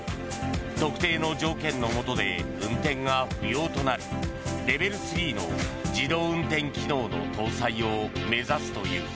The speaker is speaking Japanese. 特定の条件のもとで運転が不要となるレベル３の自動運転機能の搭載を目指すという。